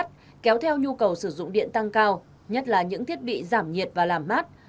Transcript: nguồn điện cắt kéo theo nhu cầu sử dụng điện tăng cao nhất là những thiết bị giảm nhiệt và làm mát